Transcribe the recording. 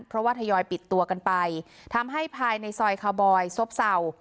เพราะว่าทยอยปิดตัวกันไปทำให้ภายในซอยคาวบอยซบเศร้า